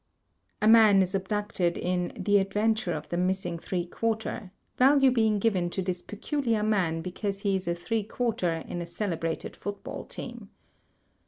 A man is abducted in "The Adventure of the Missing Three Quarter," value being given to this particular man because he is a three quarter in a celebrated football team.